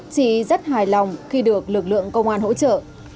chị rất hài lòng khi được lực lượng công an hỗ trợ